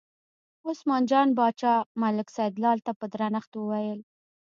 عثمان جان باچا ملک سیدلال ته په درنښت وویل.